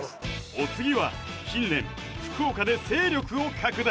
お次は近年福岡で勢力を拡大